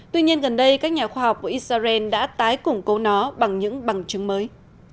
tuy nhiên gần đây các nhà khoa học của israel đã tái củng cố nó bằng những bằng chứng mới